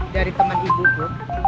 dari temen ibu put